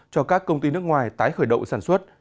cho các công ty nước ngoài tái khởi động sản xuất